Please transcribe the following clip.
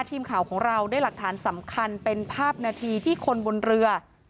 ทีมข่าวของเราได้หลักฐานสำคัญเป็นภาพนาทีที่คนบนเรือ